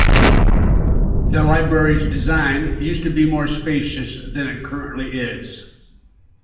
The library's design used to be more spacious than it currently is.